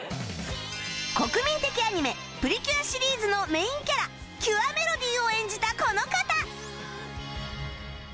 国民的アニメ『プリキュア』シリーズのメインキャラキュアメロディを演じたこの方